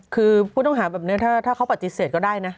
คือผู้ต้องหาแบบนี้ถ้าเขาปฏิเสธก็ได้นะ